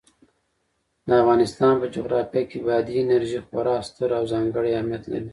د افغانستان په جغرافیه کې بادي انرژي خورا ستر او ځانګړی اهمیت لري.